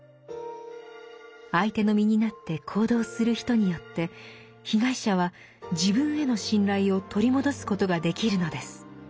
相手の身になって行動する人によって被害者は自分への信頼を取り戻すことができるのです。